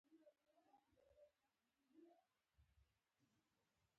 څڼې یې په واسلینو غوړې کړې او شوق یې زیات شوی.